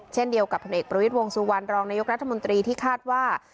เช่นเดียวกับผลเอกประวิทย์วงสุวรรณรองนายกรัฐมนตรีที่คาดว่า